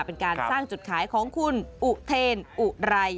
เป็นการสร้างจุดขายของคุณอุเทนอุไร